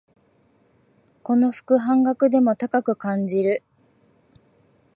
この服、半額でも高く感じる